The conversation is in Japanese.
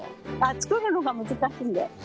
作るのが難しいんで。